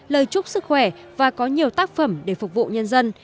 lời chúc sức khỏe và có nhiều tác phẩm để phục vụ nhân dân